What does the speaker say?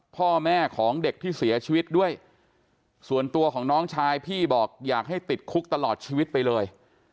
พ่อแม่ของเด็กที่เสียชีวิตด้วยส่วนตัวของน้องชายพี่บอกอยากให้ติดคุกตลอดชีวิตไปเลย